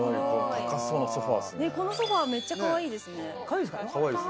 このソファー、めっちゃかわいいですね。